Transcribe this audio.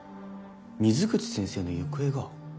水口先生の行方が。